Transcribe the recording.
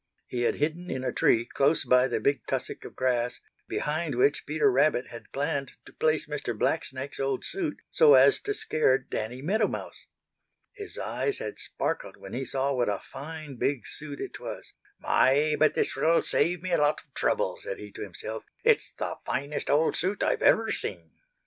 He had hidden in a tree close by the big tussock of grass, behind which Peter Rabbit had planned to place Mr. Blacksnake's old suit so as to scare Danny Meadow Mouse. His eyes had sparkled when he saw what a fine big suit it was. "My, but this will save me a lot of trouble," said he to himself. "It's the finest old suit I've ever seen."